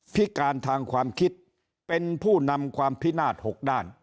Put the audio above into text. พิการทางความคิดเป็นผู้นำความพินาศ๖ด้าน